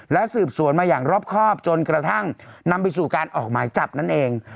และสืบสวนมาอย่างรอบครอบจนกระทั่งนำไปสู่การออกหมายจับนั่นเอง